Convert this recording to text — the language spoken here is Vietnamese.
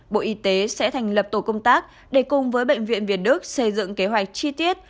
bộ y tế sẽ thành lập tổ công tác để cùng với bệnh viện việt đức xây dựng kế hoạch chi tiết